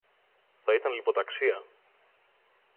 Θα ήταν λιποταξία!